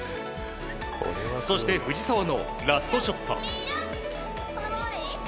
そして、藤澤のラストショット。